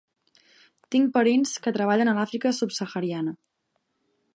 Tinc parents que treballen a l'Àfrica subsahariana.